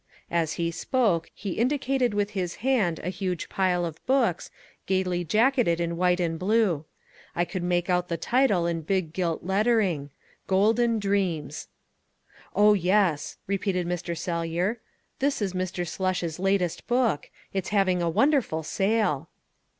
As he spoke, he indicated with his hand a huge pile of books, gayly jacketed in white and blue. I could make out the title in big gilt lettering GOLDEN DREAMS. "Oh, yes," repeated Mr. Sellyer. "This is Mr. Slush's latest book. It's having a wonderful sale."